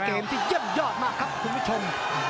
เกมที่เยี่ยมยอดมากครับคุณผู้ชม